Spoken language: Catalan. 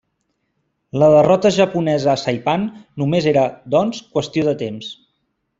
La derrota japonesa a Saipan només era, doncs, qüestió de temps.